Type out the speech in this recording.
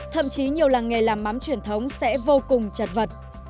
thậm chí nhiều làng nghề làm mắm truyền thống sẽ vô cùng chật vật